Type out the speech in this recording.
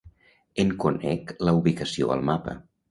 En conec la ubicació al mapa.